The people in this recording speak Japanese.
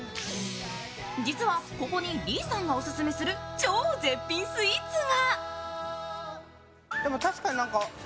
実はここに李さんがオススメする超絶品スイーツが。